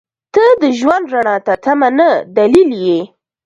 • ته د ژوند رڼا ته تمه نه، دلیل یې.